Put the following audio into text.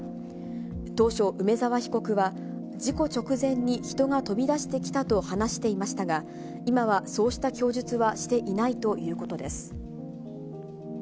当初、梅沢被告は、事故直前に人が飛び出してきたと話していましたが、今はそうした供述はしていないということです。